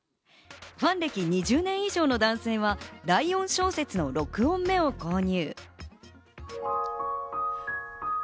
ファン歴２０年以上の男性は、第４小節の６音目を購入。